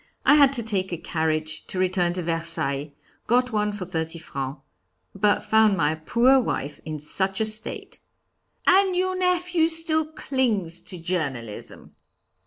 I had to take a carriage to return to Versailles got one for thirty francs. But found my poor wife in such a state!" "And your nephew still clings to journalism?"